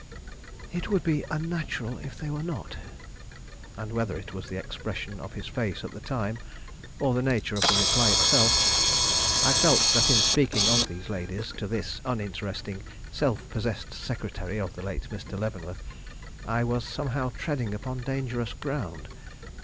"It would be unnatural if they were not." And whether it was the expression of his face at the time, or the nature of the reply itself, I felt that in speaking of these ladies to this uninteresting, self possessed secretary of the late Mr. Leavenworth, I was somehow treading upon dangerous ground.